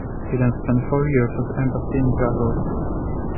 He then spent four years at the embassy in Brussels.